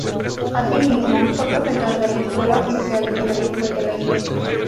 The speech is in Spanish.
Asimismo fue profesor de la Escuela Oficial de Periodismo y de la Iglesia.